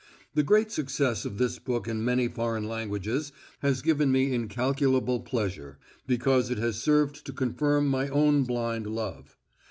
The great success of this book in many foreign languages has given me incalculable pleasure, because it has served to confirm my own blind love.